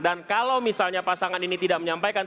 dan kalau misalnya pasangan ini tidak menyampaikan